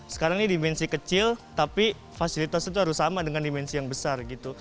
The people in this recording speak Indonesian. sekarang ini dimensi kecil tapi fasilitas itu harus sama dengan dimensi yang besar gitu